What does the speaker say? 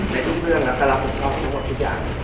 ในทุกเรื่องนะสำหรับทุกครอบครัวทั้งหมดทุกอย่าง